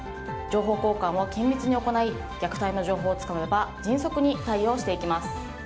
情報交換を緊密に行い虐待の情報をつかめば迅速に対応していきます。